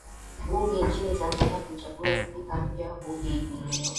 bunge nchini tanzania kumchagua spika mpya wa bunge hivi leo